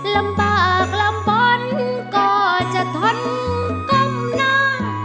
ลำบากลำบ้นก็จะทันก้มหน้า